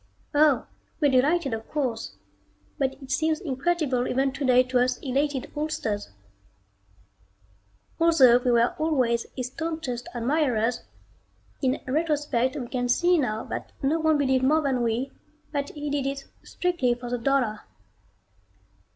Oh, we're delighted of course, but it seems incredible even today to us elated oldsters. Although we were always his staunchest admirers, in retrospect we can see now that no one believed more than we that he did it strictly for the dollar.